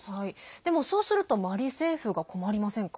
でも、そうするとマリ政府が困りませんか？